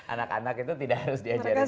anak anak itu tidak harus diajarin